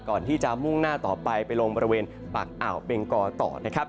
ก่อนที่จะมุ่งหน้าต่อไปไปลงบริเวณปากอ่าวเบงกอต่อนะครับ